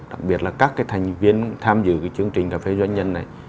đặc biệt là các cái thành viên tham dự cái chương trình cà phê doanh nhân này